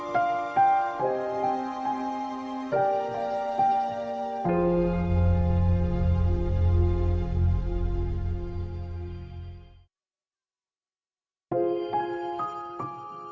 pembunuhan di pulau mas jaya